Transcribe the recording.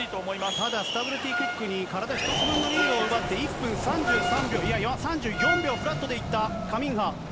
ただスタブルティクックに体１つ分のリードを奪って、１分３４秒フラットでいったカミンハ。